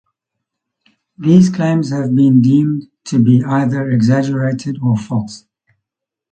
These claims have been deemed to be either exaggerated or false.